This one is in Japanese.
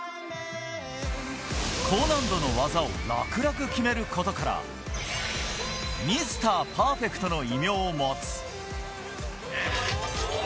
高難度の技を楽々決めることから、ミスター・パーフェクトの異名を持つ。